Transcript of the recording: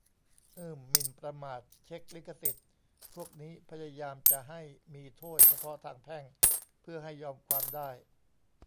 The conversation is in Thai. อืม หมิ่นประมาท เช็ค ลิขสิทธิ์ พวกนี้พยายามจะให้มีโทษเฉพาะทางแพ่ง เพื่อให้ยอมความได้